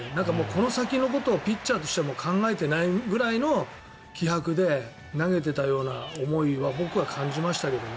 この先のことをピッチャーとしても考えてないくらいの気迫で投げてたような思いは僕は感じましたけどね。